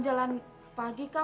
jalankan dulu aku